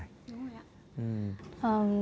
đúng rồi ạ